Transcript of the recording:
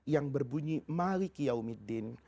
yang berbunyi malik yaumiddin